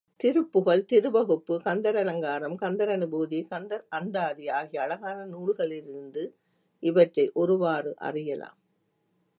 திருப்புகழ், திருவகுப்பு, கந்தர் அலங்காரம், கந்தர் அநுபூதி, கந்தர் அந்தாதி ஆகிய அழகான நூல்களிலிருந்து இவற்றை ஒருவாறு அறியலாம்.